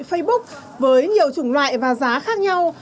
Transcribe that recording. facebook với nhiều chủng loại và giá khác nhau